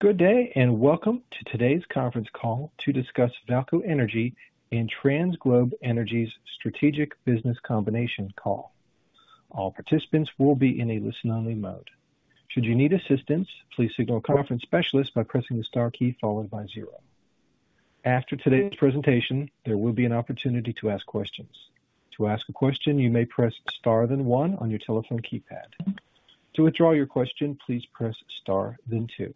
Good day, and welcome to today's conference call to discuss VAALCO Energy and TransGlobe Energy's strategic business combination call. All participants will be in a listen-only mode. Should you need assistance, please signal a conference specialist by pressing the star key followed by zero. After today's presentation, there will be an opportunity to ask questions. To ask a question, you may press star then one on your telephone keypad. To withdraw your question, please press star then two.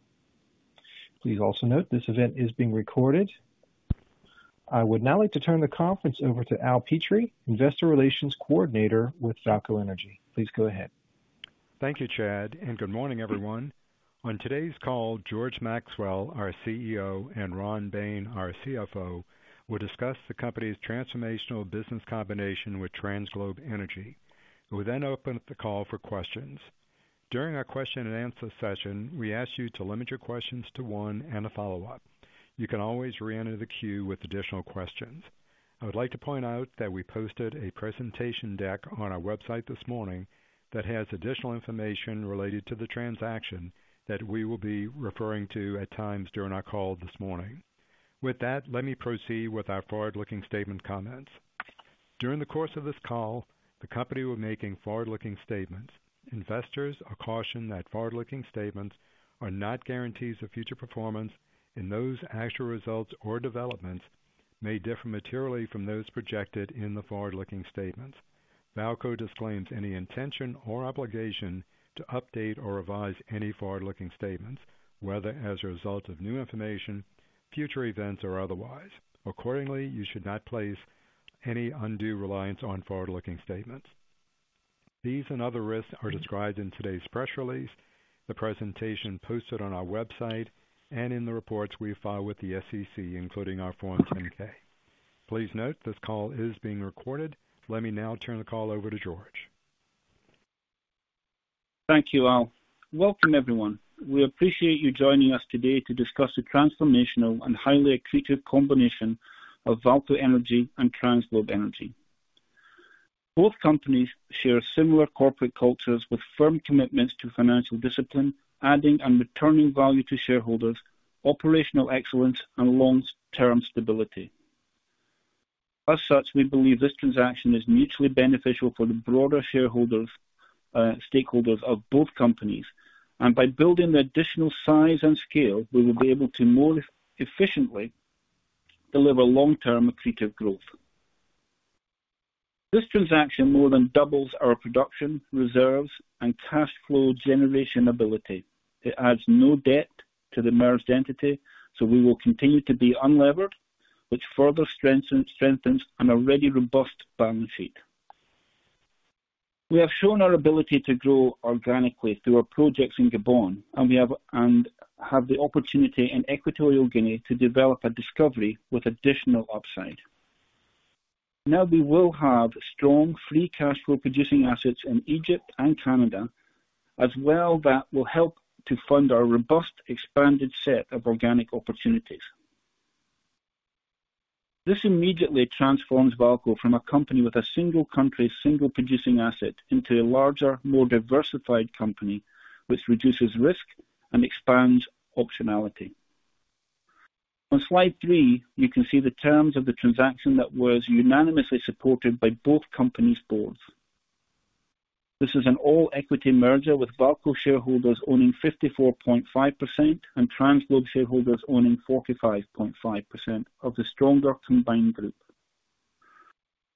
Please also note this event is being recorded. I would now like to turn the conference over to Al Petrie, Investor Relations Coordinator with VAALCO Energy. Please go ahead. Thank you, Chad, and good morning, everyone. On today's call, George Maxwell, our CEO, and Ron Bain, our CFO, will discuss the company's transformational business combination with TransGlobe Energy. We'll then open the call for questions. During our question and answer session, we ask you to limit your questions to one and a follow-up. You can always re-enter the queue with additional questions. I would like to point out that we posted a presentation deck on our website this morning that has additional information related to the transaction that we will be referring to at times during our call this morning. With that, let me proceed with our forward-looking statement comments. During the course of this call, the company will be making forward-looking statements. Investors are cautioned that forward-looking statements are not guarantees of future performance and that actual results or developments may differ materially from those projected in the forward-looking statements. VAALCO disclaims any intention or obligation to update or revise any forward-looking statements, whether as a result of new information, future events, or otherwise. Accordingly, you should not place any undue reliance on forward-looking statements. These and other risks are described in today's press release, the presentation posted on our website, and in the reports we file with the SEC, including our Form 10-K. Please note, this call is being recorded. Let me now turn the call over to George. Thank you, Al. Welcome, everyone. We appreciate you joining us today to discuss the transformational and highly accretive combination of VAALCO Energy and TransGlobe Energy. Both companies share similar corporate cultures with firm commitments to financial discipline, adding and returning value to shareholders, operational excellence, and long-term stability. As such, we believe this transaction is mutually beneficial for the broader shareholders, stakeholders of both companies. By building the additional size and scale, we will be able to more efficiently deliver long-term accretive growth. This transaction more than doubles our production reserves and cash flow generation ability. It adds no debt to the merged entity, so we will continue to be unlevered, which further strengthens an already robust balance sheet. We have shown our ability to grow organically through our projects in Gabon, and have the opportunity in Equatorial Guinea to develop a discovery with additional upside. Now we will have strong free cash flow producing assets in Egypt and Canada as well that will help to fund our robust expanded set of organic opportunities. This immediately transforms VAALCO from a company with a single country, single producing asset into a larger, more diversified company, which reduces risk and expands optionality. On slide 3, you can see the terms of the transaction that was unanimously supported by both companies' boards. This is an all-equity merger with VAALCO shareholders owning 54.5% and TransGlobe shareholders owning 45.5% of the stronger combined group.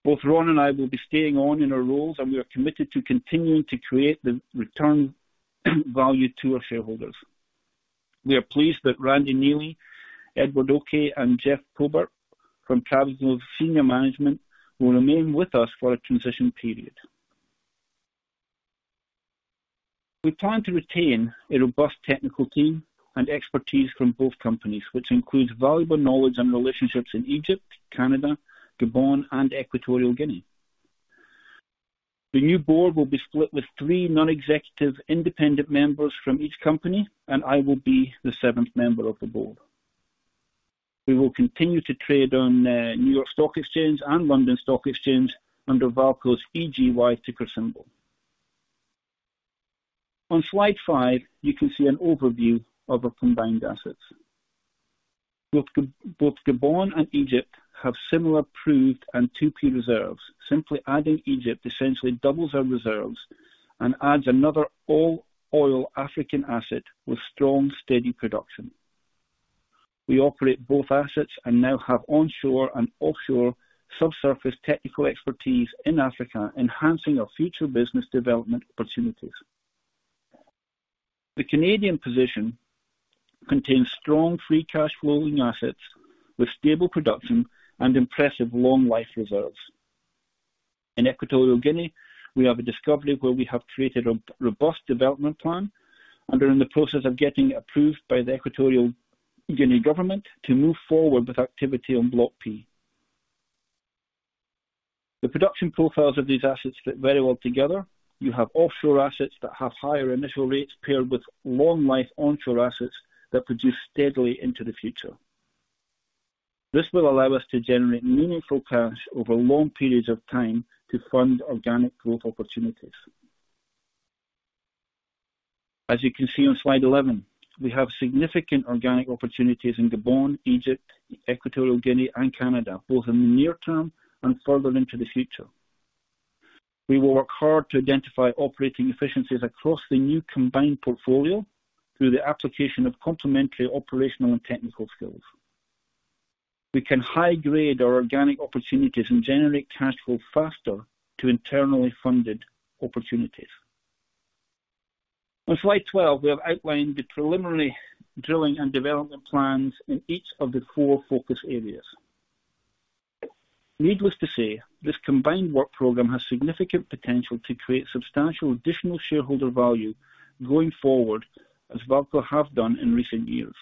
Both Ron and I will be staying on in our roles, and we are committed to continuing to create the return value to our shareholders. We are pleased that Randy Neely, Edward Oke, and Geoff Cobert from TransGlobe senior management will remain with us for a transition period. We plan to retain a robust technical team and expertise from both companies, which includes valuable knowledge and relationships in Egypt, Canada, Gabon, and Equatorial Guinea. The new board will be split with three non-executive independent members from each company, and I will be the seventh member of the board. We will continue to trade on New York Stock Exchange and London Stock Exchange under VAALCO's EGY ticker symbol. On slide 5, you can see an overview of our combined assets. Both Gabon and Egypt have similar proved and 2P reserves. Simply adding Egypt essentially doubles our reserves and adds another all-oil African asset with strong, steady production. We operate both assets and now have onshore and offshore subsurface technical expertise in Africa, enhancing our future business development opportunities. The Canadian position contains strong free cash flowing assets with stable production and impressive long life reserves. In Equatorial Guinea, we have a discovery where we have created a robust development plan and are in the process of getting approved by the Equatorial Guinea government to move forward with activity on Block P. The production profiles of these assets fit very well together. You have offshore assets that have higher initial rates paired with long life onshore assets that produce steadily into the future. This will allow us to generate meaningful cash over long periods of time to fund organic growth opportunities. As you can see on slide 11, we have significant organic opportunities in Gabon, Egypt, Equatorial Guinea, and Canada, both in the near term and further into the future. We will work hard to identify operating efficiencies across the new combined portfolio through the application of complementary operational and technical skills. We can high grade our organic opportunities and generate cash flow faster to internally funded opportunities. On slide 12, we have outlined the preliminary drilling and development plans in each of the 4 focus areas. Needless to say, this combined work program has significant potential to create substantial additional shareholder value going forward, as VAALCO have done in recent years.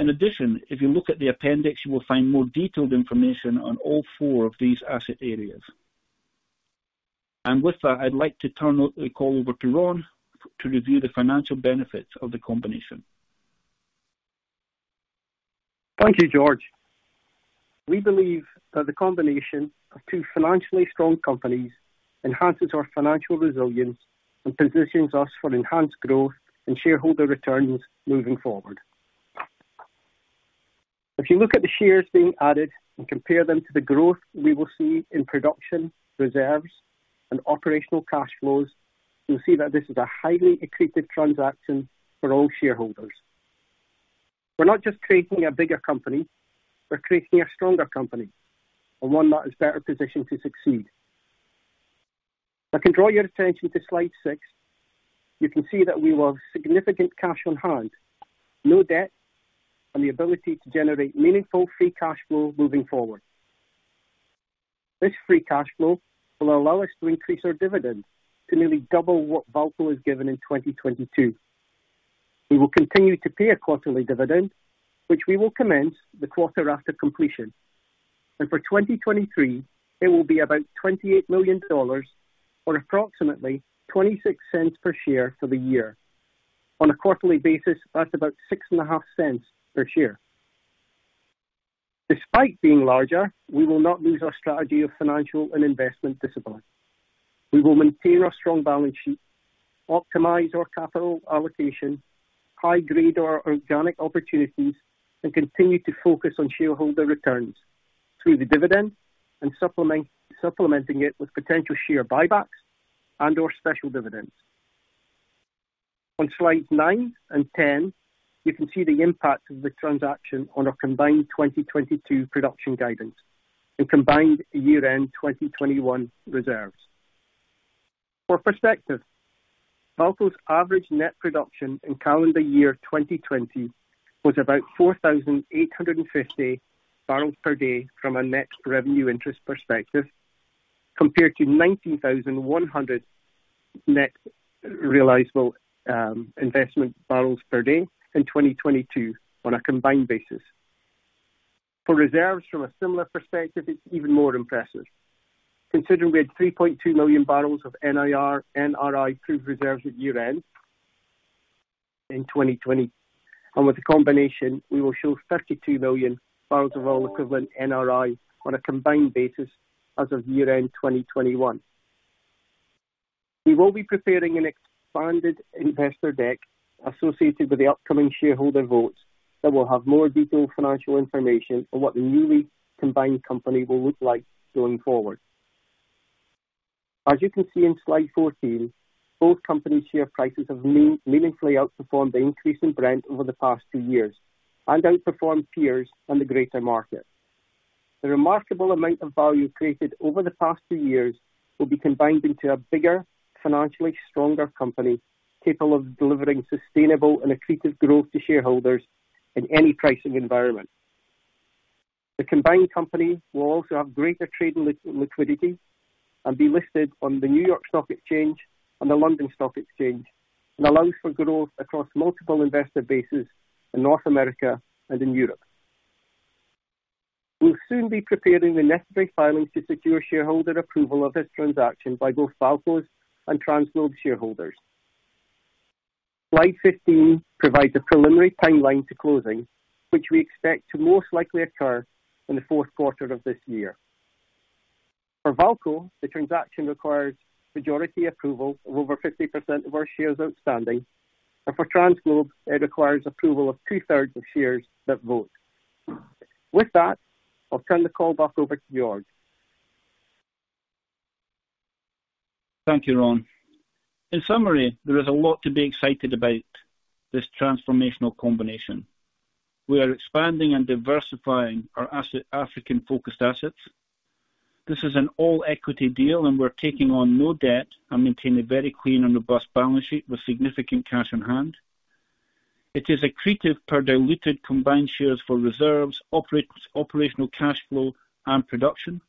In addition, if you look at the appendix, you will find more detailed information on all four of these asset areas. With that, I'd like to turn the call over to Ron to review the financial benefits of the combination. Thank you, George. We believe that the combination of two financially strong companies enhances our financial resilience and positions us for enhanced growth and shareholder returns moving forward. If you look at the shares being added and compare them to the growth we will see in production reserves and operational cash flows, you'll see that this is a highly accretive transaction for all shareholders. We're not just creating a bigger company, we're creating a stronger company and one that is better positioned to succeed. If I can draw your attention to slide 6, you can see that we will have significant cash on hand, no debt, and the ability to generate meaningful free cash flow moving forward. This free cash flow will allow us to increase our dividend to nearly double what VAALCO has given in 2022. We will continue to pay a quarterly dividend, which we will commence the quarter after completion. For 2023, it will be about $28 million or approximately $0.26 per share for the year. On a quarterly basis, that's about $0.065 per share. Despite being larger, we will not lose our strategy of financial and investment discipline. We will maintain our strong balance sheet, optimize our capital allocation, high-grade our organic opportunities, and continue to focus on shareholder returns through the dividend and supplementing it with potential share buybacks and/or special dividends. On slides 9 and 10, you can see the impact of the transaction on our combined 2022 production guidance and combined year-end 2021 reserves. For perspective, VAALCO's average net production in calendar year 2020 was about 4,850 barrels per day from a net revenue interest perspective, compared to 19,100 net revenue interest barrels per day in 2022 on a combined basis. For reserves from a similar perspective, it's even more impressive. Considering we had 3.2 million barrels of NRI proved reserves at year-end in 2020, and with the combination, we will show 32 million barrels of oil equivalent NRI on a combined basis as of year-end 2021. We will be preparing an expanded investor deck associated with the upcoming shareholder votes that will have more detailed financial information on what the newly combined company will look like going forward. As you can see in Slide 14, both companies' share prices have meaningfully outperformed the increase in Brent over the past two years and outperformed peers on the greater market. The remarkable amount of value created over the past two years will be combined into a bigger, financially stronger company capable of delivering sustainable and accretive growth to shareholders in any pricing environment. The combined company will also have greater trade liquidity and be listed on the New York Stock Exchange and the London Stock Exchange. It allows for growth across multiple investor bases in North America and in Europe. We'll soon be preparing the necessary filings to secure shareholder approval of this transaction by both VAALCO's and TransGlobe shareholders. Slide 15 provides a preliminary timeline to closing, which we expect to most likely occur in the fourth quarter of this year. For VAALCO, the transaction requires majority approval of over 50% of our shares outstanding, and for TransGlobe, it requires approval of two-thirds of shares that vote. With that, I'll turn the call back over to George. Thank you, Ron. In summary, there is a lot to be excited about this transformational combination. We are expanding and diversifying our African-focused assets. This is an all-equity deal, and we're taking on no debt and maintain a very clean and robust balance sheet with significant cash on hand. It is accretive per diluted combined shares for reserves, operational cash flow, and production.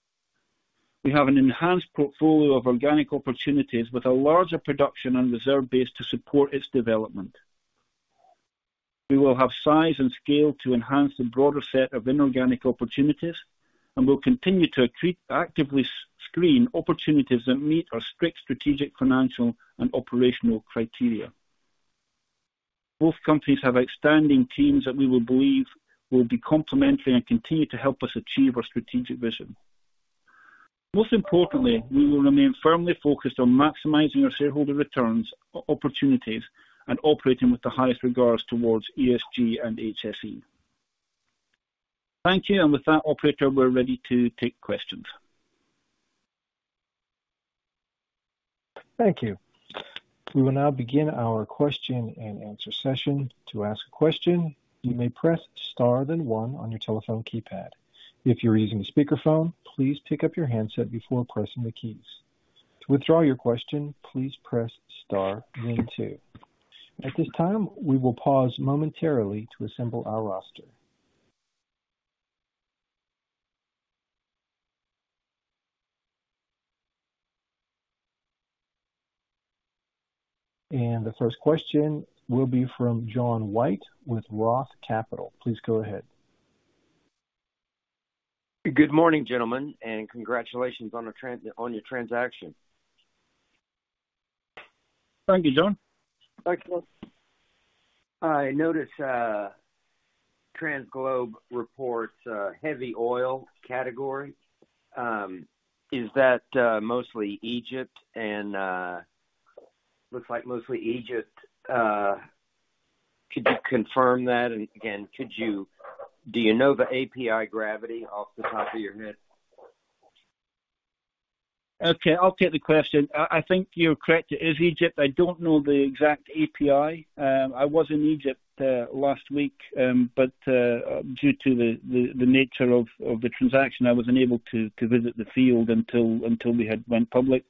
We have an enhanced portfolio of organic opportunities with a larger production and reserve base to support its development. We will have size and scale to enhance the broader set of inorganic opportunities, and we'll continue to actively screen opportunities that meet our strict strategic, financial, and operational criteria. Both companies have outstanding teams that we will believe will be complementary and continue to help us achieve our strategic vision. Most importantly, we will remain firmly focused on maximizing our shareholder returns opportunities and operating with the highest regards towards ESG and HSE. Thank you. With that operator, we're ready to take questions. Thank you. We will now begin our question-and-answer session. To ask a question, you may press Star then one on your telephone keypad. If you're using a speakerphone, please pick up your handset before pressing the keys. To withdraw your question, please press Star then two. At this time, we will pause momentarily to assemble our roster. The first question will be from John White with Roth Capital Partners. Please go ahead. Good morning, gentlemen, and congratulations on your transaction. Thank you, John. Thanks, John. I notice TransGlobe reports heavy oil category. Is that mostly Egypt? Looks like mostly Egypt. Could you confirm that? Again, do you know the API gravity off the top of your head? Okay, I'll take the question. I think you're correct. It is Egypt. I don't know the exact API. I was in Egypt last week, but due to the nature of the transaction, I was unable to visit the field until we had went public.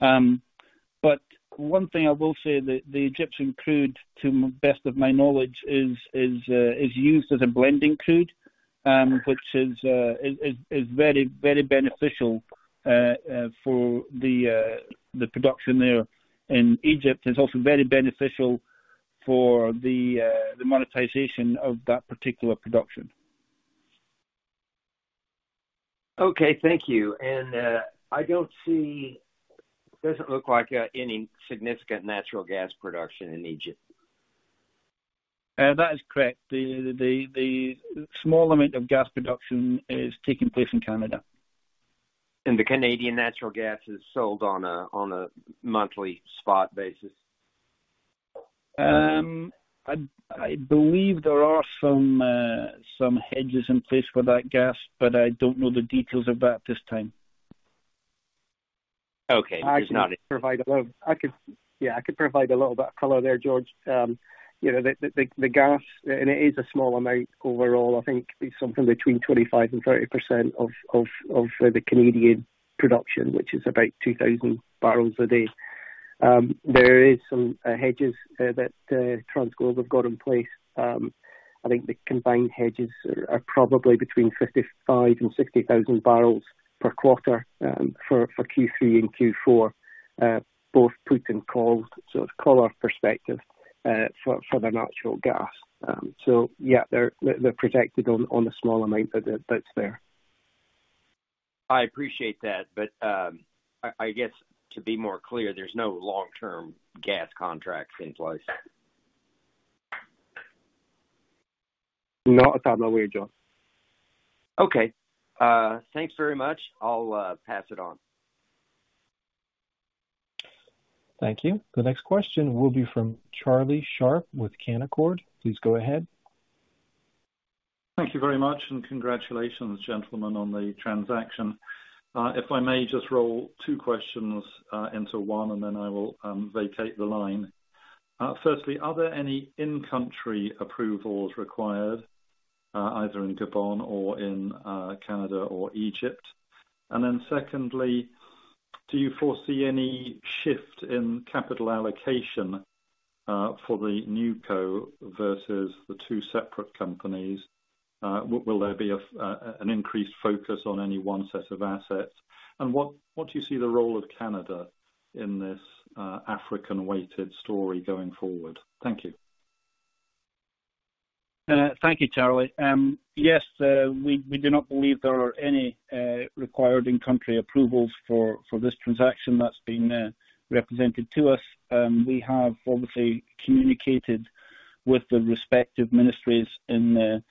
But one thing I will say that the Egyptian crude, to the best of my knowledge is used as a blending crude, which is very, very beneficial for the production there in Egypt. It's also very beneficial for the monetization of that particular production. Okay, thank you. It doesn't look like any significant natural gas production in Egypt. That is correct. The small amount of gas production is taking place in Canada. The Canadian natural gas is sold on a monthly spot basis? I believe there are some hedges in place for that gas, but I don't know the details of that at this time. Okay. Yeah, I could provide a little bit of color there, George. You know, the gas, and it is a small amount overall. I think it's something between 25%-30% of the Canadian production, which is about 2,000 barrels a day. There is some hedges that TransGlobe have got in place. I think the combined hedges are probably between 55,000-60,000 barrels per quarter, for Q3 and Q4, both put and called. It's color perspective for the natural gas. Yeah, they're protected on a small amount that's there. I appreciate that. I guess to be more clear, there's no long-term gas contracts in place. Not that I'm aware, John. Okay. Thanks very much. I'll pass it on. Thank you. The next question will be from Charlie Sharp with Canaccord Genuity. Please go ahead. Thank you very much, and congratulations, gentlemen, on the transaction. If I may just roll two questions into one, and then I will vacate the line. Firstly, are there any in-country approvals required, either in Gabon or in Canada or Egypt? Secondly, do you foresee any shift in capital allocation for the NewCo versus the two separate companies? Will there be an increased focus on any one set of assets? What do you see the role of Canada in this African-weighted story going forward? Thank you. Thank you, Charlie. Yes, we do not believe there are any required in-country approvals for this transaction that's been represented to us. We have obviously communicated with the respective ministries in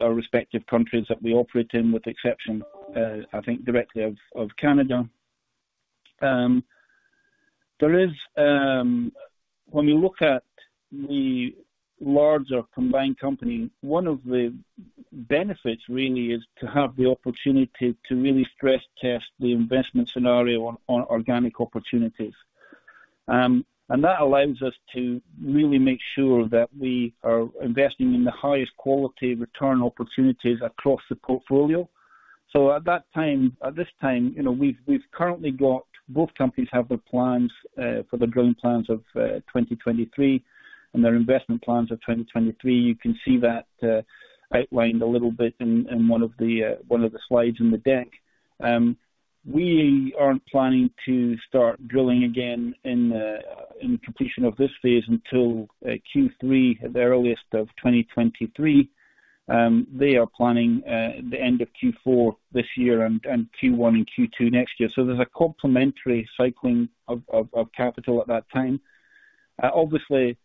respective countries that we operate in, with the exception, I think directly of Canada. When we look at the larger combined company, one of the benefits really is to have the opportunity to really stress test the investment scenario on organic opportunities. That allows us to really make sure that we are investing in the highest quality return opportunities across the portfolio. At this time, you know, we've currently got both companies have their plans for the drilling plans of 2023 and their investment plans of 2023. You can see that outlined a little bit in one of the slides in the deck. We aren't planning to start drilling again in completion of this phase until Q3 at the earliest of 2023. They are planning the end of Q4 this year and Q1 and Q2 next year. There's a complementary cycling of capital at that time. Obviously,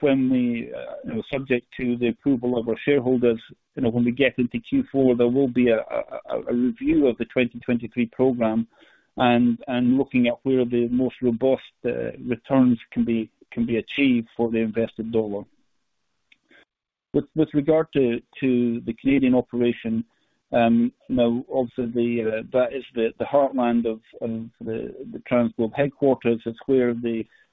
when we, you know, subject to the approval of our shareholders, you know, when we get into Q4, there will be a review of the 2023 program and looking at where the most robust returns can be achieved for the invested dollar. With regard to the Canadian operation, you know, also that is the heartland of the TransGlobe headquarters. It's where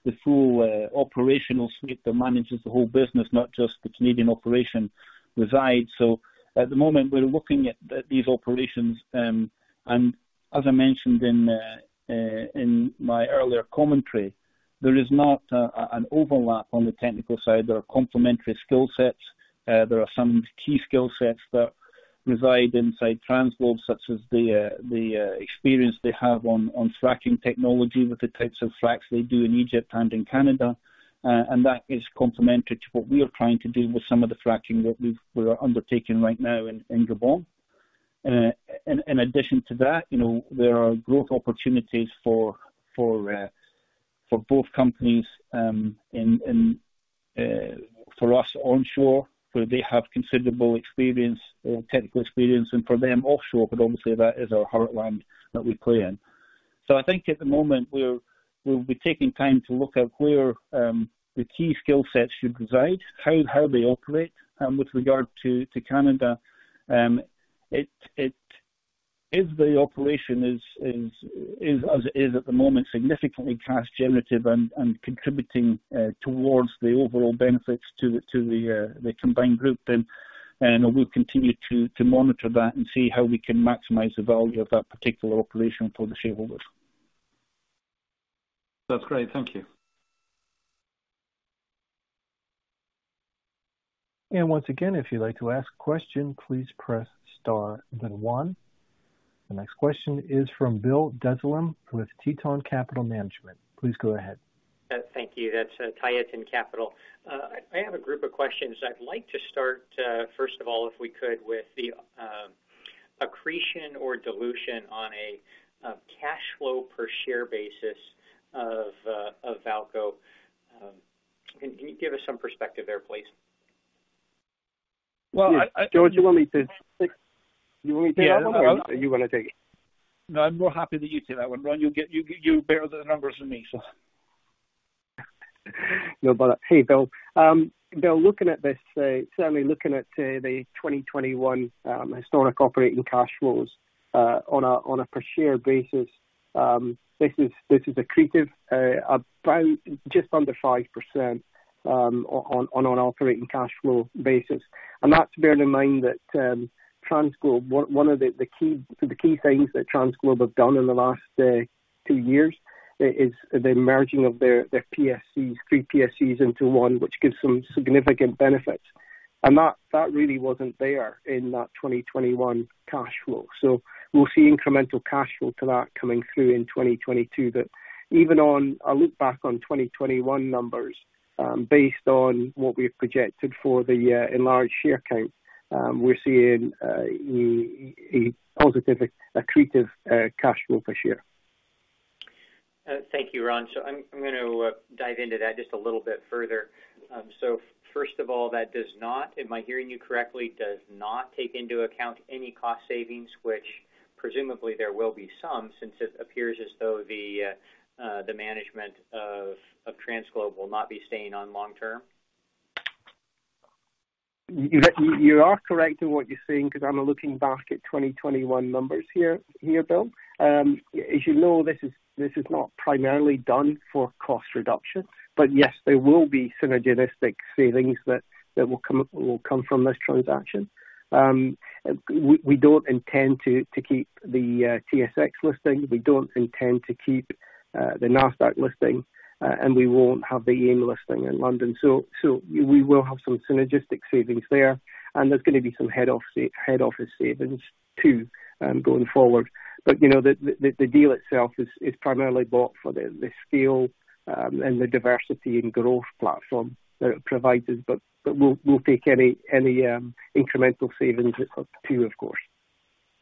the full operational suite that manages the whole business, not just the Canadian operation, resides. At the moment, we're looking at these operations. As I mentioned in my earlier commentary, there is not an overlap on the technical side. There are complementary skill sets. There are some key skill sets that reside inside TransGlobe, such as the experience they have on fracking technology with the types of fracs they do in Egypt and in Canada. That is complementary to what we are trying to do with some of the fracking that we're undertaking right now in Gabon. In addition to that, you know, there are growth opportunities for both companies in for us onshore, where they have considerable experience or technical experience and for them offshore, but obviously that is our heartland that we play in. I think at the moment, we'll be taking time to look at where the key skill sets should reside, how they operate with regard to Canada. It is the operation is as it is at the moment, significantly cash generative and contributing towards the overall benefits to the combined group then. We'll continue to monitor that and see how we can maximize the value of that particular operation for the shareholders. That's great. Thank you. Once again, if you'd like to ask a question, please press star then one. The next question is from Bill Dezellem with Tieton Capital Management. Please go ahead. Thank you. That's Tieton Capital. I have a group of questions. I'd like to start first of all, if we could, with the accretion or dilution on a cash flow per share basis of VAALCO. Can you give us some perspective there, please? Well, I- George, you want me to take that one? Yeah. You wanna take it? No, I'm more happy that you take that one, Ron. You get, you're better with the numbers than me, so. No, hey, Bill. Bill, looking at this, certainly looking at the 2021 historic operating cash flows on a per share basis, this is accretive about just under 5% on operating cash flow basis. That's bearing in mind that TransGlobe, one of the key things that TransGlobe have done in the last two years is the merging of their PSCs, three PSCs into one, which gives some significant benefits. That really wasn't there in that 2021 cash flow. We'll see incremental cash flow to that coming through in 2022. Even on a look back on 2021 numbers, based on what we've projected for the enlarged share count, we're seeing a positive accretive cash flow per share. Thank you, Ron. I'm gonna dive into that just a little bit further. First of all, that does not, am I hearing you correctly, does not take into account any cost savings, which presumably there will be some since it appears as though the management of TransGlobe will not be staying on long term. You are correct in what you're saying because I'm looking back at 2021 numbers here, Bill. As you know, this is not primarily done for cost reduction. Yes, there will be synergistic savings that will come from this transaction. We don't intend to keep the TSX listing. We don't intend to keep the NASDAQ listing. We won't have the AIM listing in London. We will have some synergistic savings there. There's gonna be some head office savings too, going forward. You know, the deal itself is primarily bought for the scale and the diversity and growth platform that it provides us. We'll take any incremental savings or too, of course.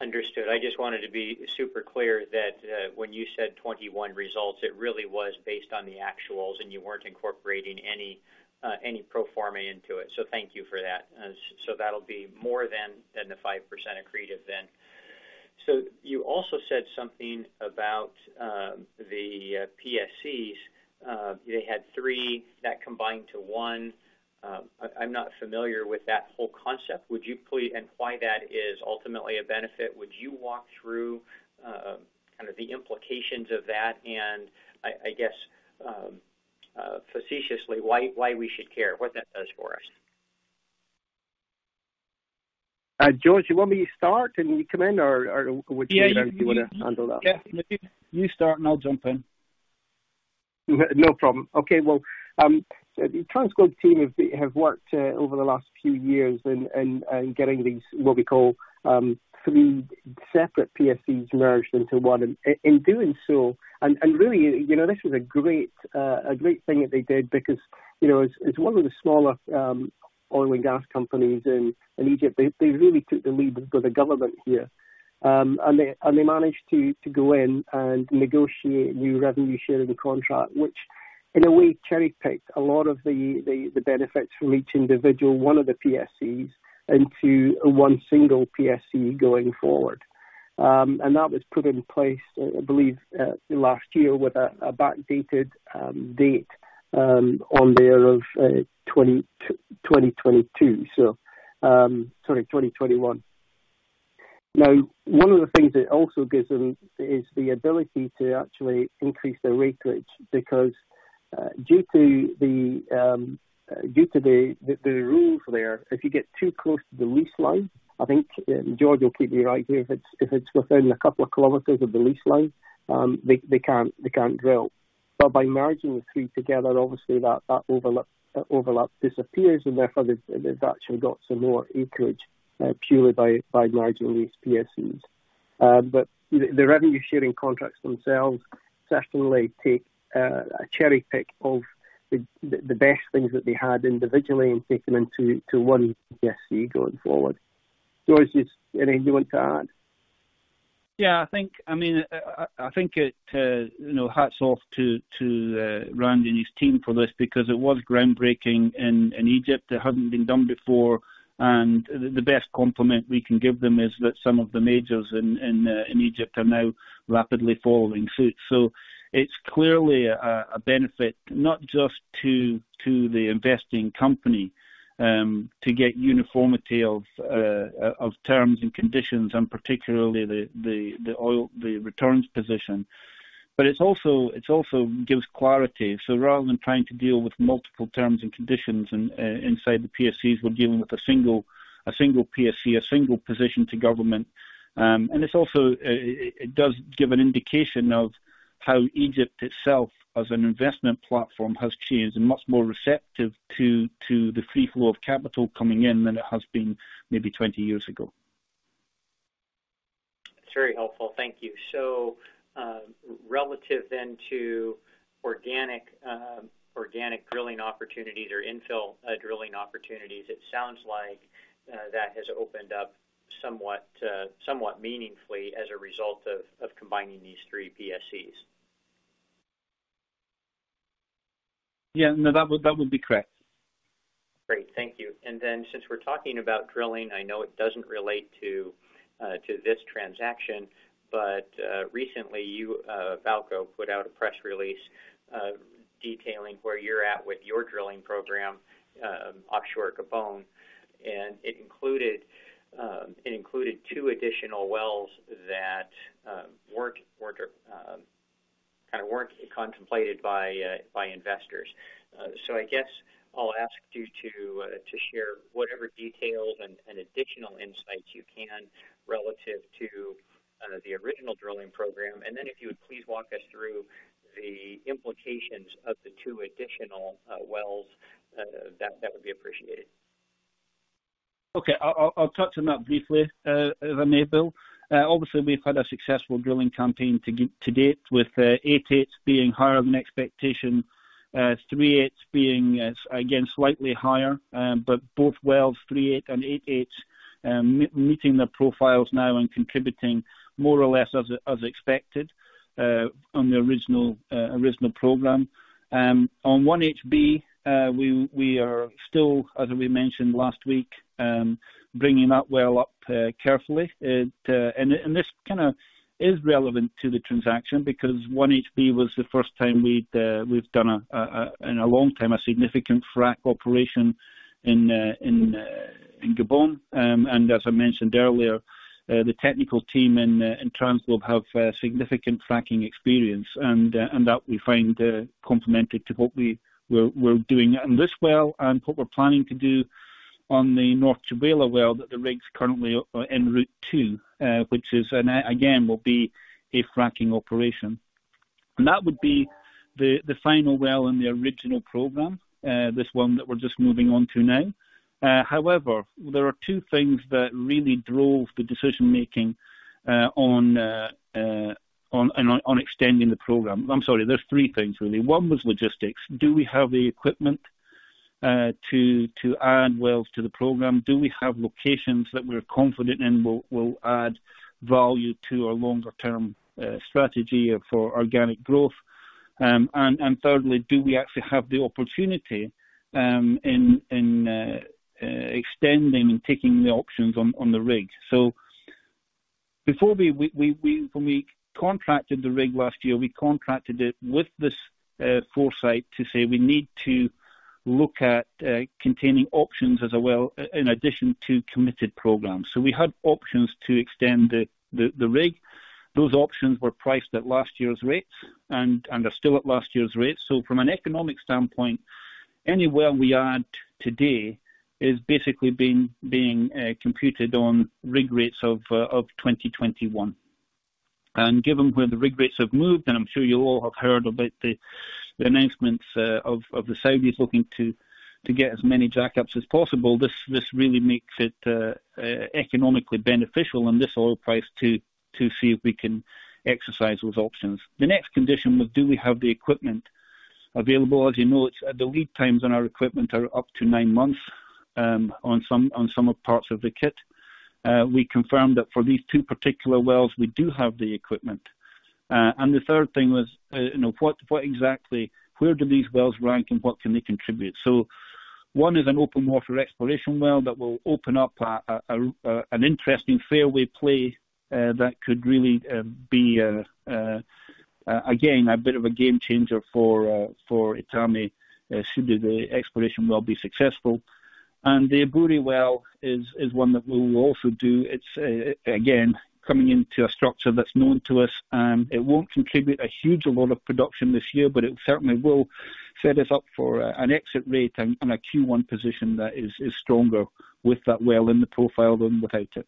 Understood. I just wanted to be super clear that when you said 2021 results, it really was based on the actuals and you weren't incorporating any pro forma into it. Thank you for that. That'll be more than the 5% accretive then. You also said something about the PSCs. They had three that combined to one. I'm not familiar with that whole concept. Why that is ultimately a benefit. Would you walk through kind of the implications of that and I guess facetiously why we should care, what that does for us? George, you want me to start and you come in or would you? Yeah. Do you wanna handle that? Yeah. You start and I'll jump in. No problem. Okay. Well, the TransGlobe team have worked over the last few years in getting these, what we call, three separate PSCs merged into one. In doing so, and really, you know, this is a great thing that they did because, you know, as one of the smaller oil and gas companies in Egypt, they really took the lead with the government here. They managed to go in and negotiate new revenue share in the contract, which in a way cherry-picked a lot of the benefits from each individual one of the PSCs into one single PSC going forward. That was put in place, I believe, last year with a backdated date on there of 2022. Sorry, 2021. Now, one of the things it also gives them is the ability to actually increase their acreage because due to the rules there, if you get too close to the lease line, I think George will correct me right here, if it's within a couple of kilometers of the lease line, they can't drill. But by merging the three together, obviously that overlap disappears, and therefore they've actually got some more acreage purely by merging these PSCs. But the revenue sharing contracts themselves certainly take a cherry pick of the best things that they had individually and take them into one PSC going forward. George, is there anything you want to add? I mean, I think it, you know, hats off to Randy and his team for this because it was groundbreaking in Egypt. It hadn't been done before. The best compliment we can give them is that some of the majors in Egypt are now rapidly following suit. It's clearly a benefit not just to the investing company to get uniformity of terms and conditions, and particularly the royalty position, but it also gives clarity. Rather than trying to deal with multiple terms and conditions inside the PSCs, we're dealing with a single PSC, a single position to government. It's also it does give an indication of how Egypt itself as an investment platform has changed and much more receptive to the free flow of capital coming in than it has been maybe 20 years ago. That's very helpful. Thank you. Relative then to organic drilling opportunities or infill drilling opportunities, it sounds like that has opened up somewhat meaningfully as a result of combining these 3 PSCs. Yeah. No, that would be correct. Great. Thank you. Since we're talking about drilling, I know it doesn't relate to this transaction, but recently you VAALCO put out a press release detailing where you're at with your drilling program offshore Gabon, and it included two additional wells that kind of weren't contemplated by investors. I guess I'll ask you to share whatever details and additional insights you can relative to the original drilling program, and then if you would please walk us through the implications of the two additional wells, that would be appreciated. Okay. I'll touch on that briefly, if I may, Bill. Obviously we've had a successful drilling campaign to date with 8H being higher than expectation, 3H being again slightly higher. Both wells, 3H and 8H, meeting their profiles now and contributing more or less as expected on the original program. On 1HB, we are still, as we mentioned last week, bringing that well up carefully. This kind of is relevant to the transaction because 1HB was the first time we've done in a long time a significant frack operation in Gabon. As I mentioned earlier, the technical team in TransGlobe have significant fracking experience. that we find complementary to what we're doing on this well and what we're planning to do on the North Tchibala well that the rig's currently en route to, which is, again, will be a fracking operation. That would be the final well in the original program. This one that we're just moving on to now. However, there are two things that really drove the decision-making on extending the program. I'm sorry, there's three things really. One was logistics. Do we have the equipment to add wells to the program? Do we have locations that we're confident in will add value to our longer term strategy for organic growth? Thirdly, do we actually have the opportunity in extending and taking the options on the rig? When we contracted the rig last year, we contracted it with this foresight to say we need to look at containing options as well in addition to committed programs. We had options to extend the rig. Those options were priced at last year's rates and are still at last year's rates. From an economic standpoint, anywhere we add today is basically being computed on rig rates of 2021. Given where the rig rates have moved, and I'm sure you all have heard about the announcements of the Saudis looking to get as many jackups as possible, this really makes it economically beneficial in this oil price to see if we can exercise those options. The next condition was, do we have the equipment available? As you know, it's the lead times on our equipment are up to nine months on some parts of the kit. We confirmed that for these two particular wells, we do have the equipment. And the third thing was, you know, what exactly where do these wells rank and what can they contribute? One is an open water exploration well that will open up an interesting fairway play that could really be again a bit of a game changer for Etame should the exploration well be successful. The Avouma well is one that we will also do. It's again coming into a structure that's known to us, and it won't contribute a huge amount of production this year, but it certainly will set us up for an exit rate and a Q1 position that is stronger with that well in the profile than without it.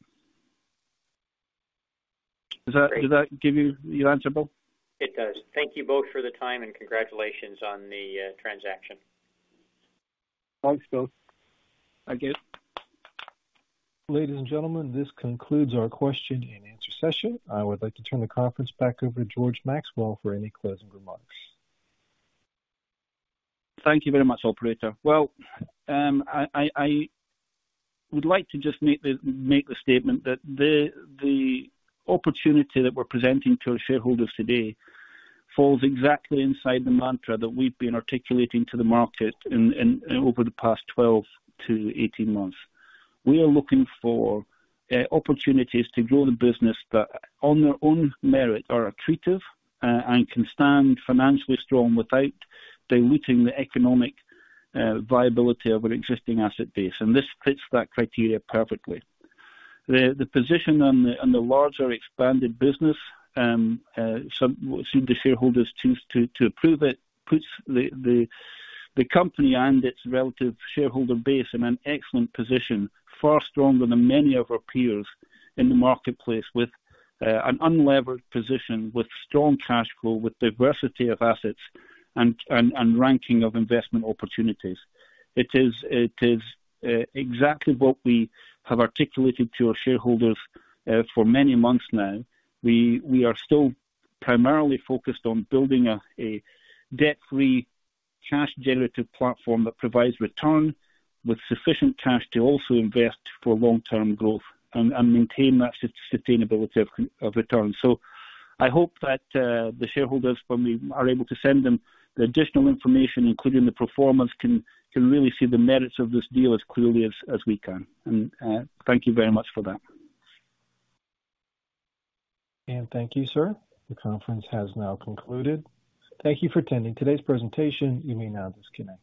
Does that Great. Does that give you your answer, Bill? It does. Thank you both for the time, and congratulations on the transaction. Thanks, Bill. Thank you. Ladies and gentlemen, this concludes our question and answer session. I would like to turn the conference back over to George Maxwell for any closing remarks. Thank you very much, operator. Well, I would like to just make the statement that the opportunity that we're presenting to our shareholders today falls exactly inside the mantra that we've been articulating to the market in over the past 12-18 months. We are looking for opportunities to grow the business that on their own merit are accretive, and can stand financially strong without diluting the economic viability of an existing asset base, and this fits that criteria perfectly. The position on the larger expanded business, should the shareholders choose to approve it, puts the company and its relative shareholder base in an excellent position, far stronger than many of our peers in the marketplace with an unlevered position, with strong cash flow, with diversity of assets and ranking of investment opportunities. It is exactly what we have articulated to our shareholders for many months now. We are still primarily focused on building a debt-free cash generative platform that provides return with sufficient cash to also invest for long-term growth and maintain that sustainability of return. I hope that the shareholders, when we are able to send them the additional information, including the pro formas can really see the merits of this deal as clearly as we can. Thank you very much for that. Thank you, sir. The conference has now concluded. Thank you for attending today's presentation. You may now disconnect.